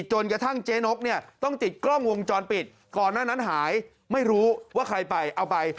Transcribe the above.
จนกระทั่งเจ๊นกเนี่ยต้องติดกล้องวงจรปิดก่อนหน้านั้นหายไม่รู้ว่าใครไปเอาไป